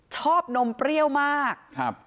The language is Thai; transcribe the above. นมเปรี้ยวมากครับ